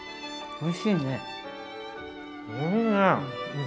おいしいね！